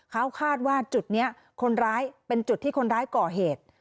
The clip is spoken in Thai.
เขาคาดว่าจุดนี้คนร้ายเป็นจุดที่คนร้ายก่อเหตุ